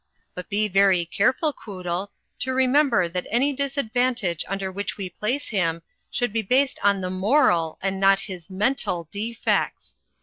.But be very careful, Quoodle, to remember that any disadvantage under which we place him shotild be based on the moral and not his mental defects.